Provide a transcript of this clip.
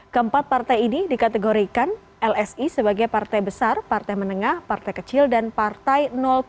keempat partai ini dikategorikan lsi sebagai partai besar partai menengah partai kecil dan partai